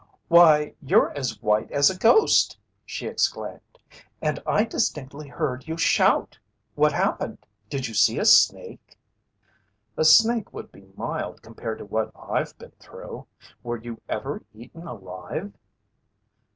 "Why, you're as white as a ghost!" she exclaimed. "And I distinctly heard you shout! What happened? Did you see a snake?" "A snake would be mild compared to what I've been through. Were you ever eaten alive?"